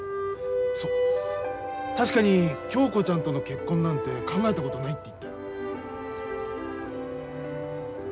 そう確かに恭子ちゃんとの結婚なんて考えたことないって言ったよ。